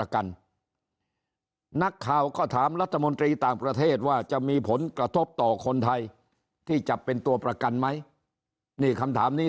กระทบต่อคนไทยที่จะเป็นตัวประกันมั้ยนี่คำถามนี้